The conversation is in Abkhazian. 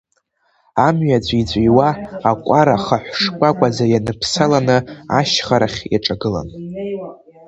Амҩа ҵәиҵәиуа, акәарахаҳә шкәакәаӡа ианыԥсаланы, ашьхарахь иаҿагалан.